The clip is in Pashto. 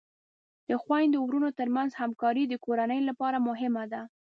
د خویندو او ورونو ترمنځ همکاری د کورنۍ لپاره مهمه ده.